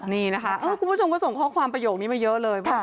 นี่นะคะคุณผู้ชมก็ส่งข้อความประโยคนี้มาเยอะเลย